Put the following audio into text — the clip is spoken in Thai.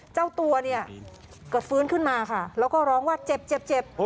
เจ้าตัวเนี่ยก็ฟื้นขึ้นมาค่ะแล้วก็ร้องว่าเจ็บเจ็บ